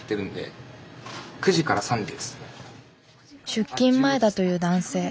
出勤前だという男性。